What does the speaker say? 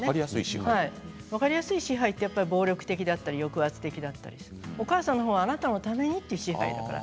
分かりやすい支配は暴力的だったり抑圧だったりお母さんはあなたのためにという支配です。